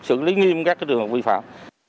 xử lý nghiêm các đường vi phạm